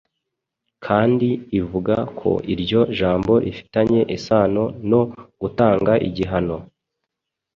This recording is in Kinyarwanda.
kandi ivuga ko iryo jambo rifitanye isano no "gutanga igihano".